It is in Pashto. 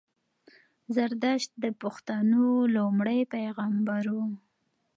زردښت د پښتنو لومړی پېغمبر وو